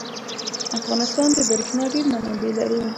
افغانستان د بریښنا ډیر منابع لري.